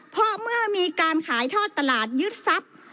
เพราะเมื่อมีการขายทอดตลาดยึดทรัพย์